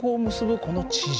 この地軸